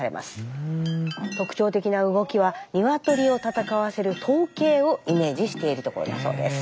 特徴的な動きは鶏を戦わせる闘鶏をイメージしているところだそうです。